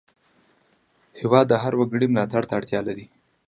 هېواد د هر وګړي ملاتړ ته اړتیا لري.